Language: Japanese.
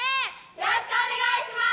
よろしくお願いします！